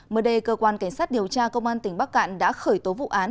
mới đây cơ quan cảnh sát điều tra công an tỉnh bắc cạn đã khởi tố vụ án